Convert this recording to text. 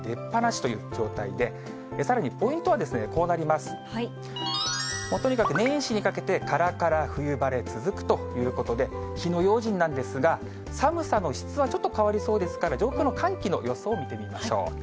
とにかく年始にかけてからから冬晴れ続くということで、火の用心なんですが、寒さの質はちょっと変わりそうですから、上空の寒気の予想を見てみましょう。